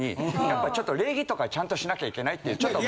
やっぱちょっと礼儀とかちゃんとしなきゃいけないってちょっと。